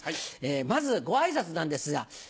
まずご挨拶なんですが。